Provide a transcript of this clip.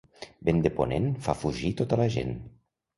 Vent de ponent fa fugir tota la gent.